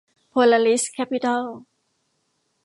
โพลาริส แคปปิตัล